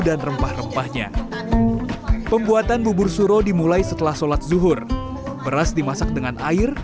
dan rempah rempahnya pembuatan bubur suro dimulai setelah sholat zuhur beras dimasak dengan air